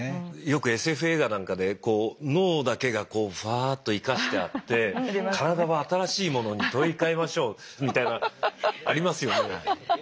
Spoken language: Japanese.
よくＳＦ映画なんかでこう脳だけがこうふわっと生かしてあって体は新しいものに取り替えましょうみたいなありますよね。